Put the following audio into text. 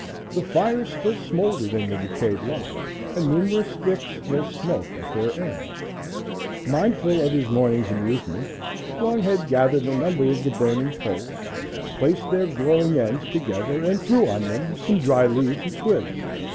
The fire still smouldered in the decayed log and numerous sticks still smoked at their ends. Mindful of his morning's amusement, Longhead gathered a number of the burning poles, placed their glowing ends together and threw on them some dry leaves and twigs.